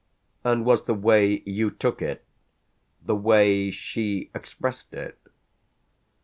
"And was the way you took it the way she expressed it?"